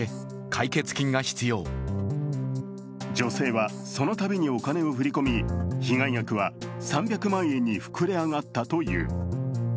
女性はそのたびにお金を振り込み、被害額は３００万円に膨れ上がったという。